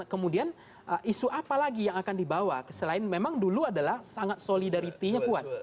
kemudian isu apa lagi yang akan dibawa selain memang dulu adalah sangat solidarity nya kuat